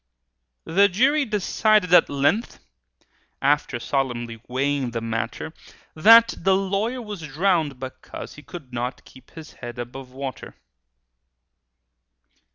The jury decided at length, After solemnly weighing the matter, That the lawyer was drownded, because He could not keep his head above water!